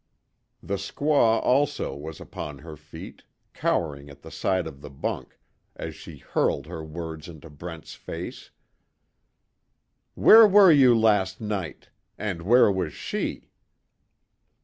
The squaw, also, was upon her feet, cowering at the side of the bunk, as she hurled her words into Brent's face. "Where were you last night? And, where was she?"